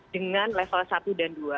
dengan level satu dan dua